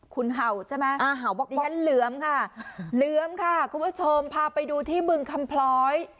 คุณเห่าใช่มั้ยเลือมค่ะคุณผู้ชมพาไปดูที่เมืองคำพร้อย